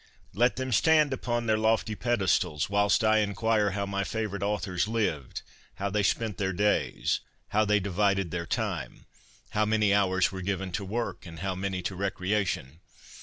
Let them stand upon their lofty pedestals, whilst I inquire how my favourite authors lived, how they spent their days, how they divided their time, how many hours were given to work and how many to recreation.